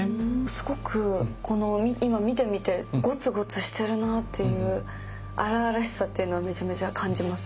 すごく今見てみてごつごつしてるなという荒々しさっていうのをめちゃめちゃ感じますね。